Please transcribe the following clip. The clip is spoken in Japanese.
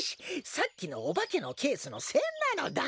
さっきのおばけのケースのせんなのだ。